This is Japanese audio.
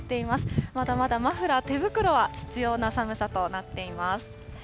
まだまだマフラー、手袋は必要な寒さとなっています。